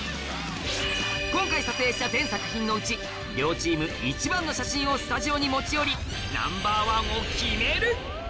今回撮影した全作品のうち両チーム一番の写真をスタジオに持ち寄りＮｏ．１を決める！